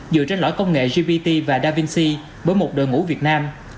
dựa trên lõi công nghệ gpt và davinc bởi một đội ngũ việt nam